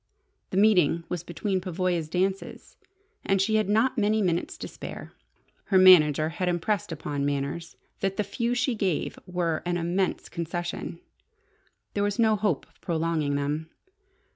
The meeting was between Pavoya's dances, and she had not many minutes to spare. Her manager had impressed upon Manners that the few she gave were an immense concession. There was no hope of prolonging them.